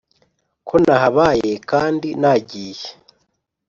ko nahabaye kandi nagiye